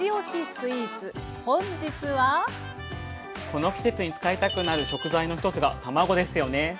この季節に使いたくなる食材の一つが卵ですよね。